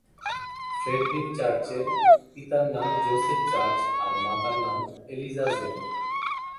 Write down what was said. Friedrich চার্চের পিতার নাম জোসেফ চার্চ আর মাতার নাম এলিজা জেন।